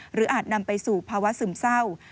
อาจนำไปสู่ภาวะซึมเศร้า